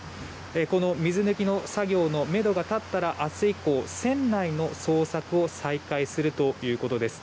この水抜きの作業のめどが立ったら明日以降、船内の捜索を再開するということです。